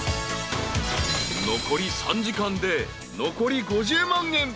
［残り３時間で残り５０万円。